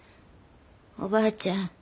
おばあちゃん